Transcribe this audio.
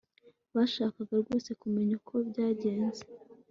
bashakaga rwose kumenya uko byagenze